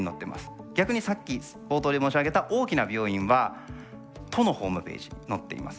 逆にさっき冒頭でも申し上げた大きな病院は都のホームページに載っています。